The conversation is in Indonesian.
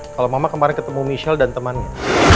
kalau mama kemarin ketemu michelle dan temannya